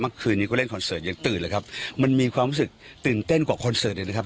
เมื่อคืนนี้ก็เล่นคอนเสิร์ตยังตื่นเลยครับมันมีความรู้สึกตื่นเต้นกว่าคอนเสิร์ตเลยนะครับ